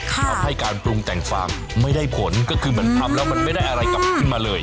ทำให้การปรุงแต่งฟางไม่ได้ผลก็คือเหมือนทำแล้วมันไม่ได้อะไรกลับขึ้นมาเลย